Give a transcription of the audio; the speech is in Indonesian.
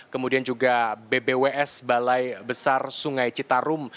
kemudian juga bbws balai besar sungai citarum